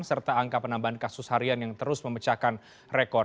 serta angka penambahan kasus harian yang terus memecahkan rekor